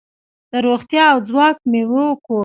د روغتیا او ځواک میوو کور.